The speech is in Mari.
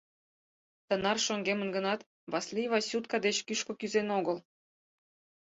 Тынар шоҥгемын гынат, Васлий «Васютка» деч кӱшкӧ кӱзен огыл.